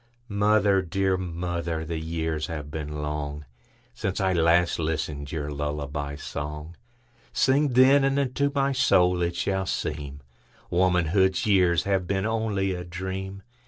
Mother, dear mother, the years have been longSince I last listened your lullaby song:Sing, then, and unto my soul it shall seemWomanhood's years have been only a dream.